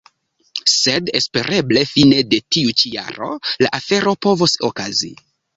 Sed espereble fine de tiu ĉi jaro la afero povos okazi.